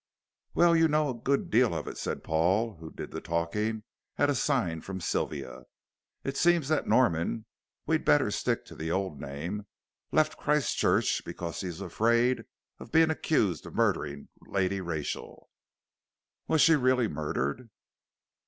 "Well, you know a good deal of it," said Paul, who did the talking at a sign from Sylvia. "It seems that Norman we'd better stick to the old name left Christchurch because he was afraid of being accused of murdering Lady Rachel." "Was she really murdered?"